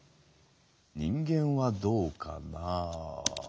人間はどうかな？